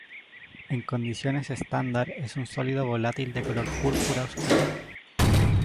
En condiciones estándar es un sólido volátil de color púrpura oscuro.